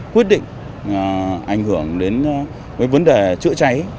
quyết định ảnh hưởng đến vấn đề chữa cháy